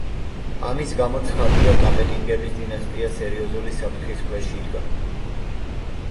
ამის გამო, ცხადია კაპეტინგების დინასტია სერიოზული საფრთხის ქვეშ იდგა.